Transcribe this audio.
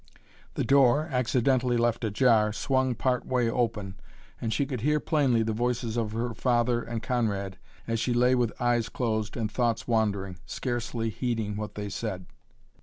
The door, accidentally left ajar, swung part way open and she could hear plainly the voices of her father and Conrad as she lay with eyes closed and thoughts wandering, scarcely heeding what they said.